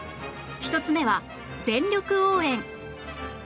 １つ目は全力応援